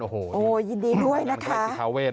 โอ้โหยินดีด้วยนะคะ